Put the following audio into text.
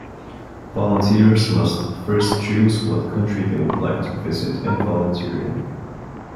Volunteers must first choose what country they would like to visit and volunteer in.